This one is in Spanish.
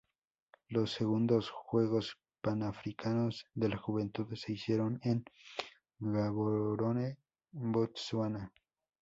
Los segundos juegos panafricanos de la juventud se hicieron en Gaborone, Botsuana.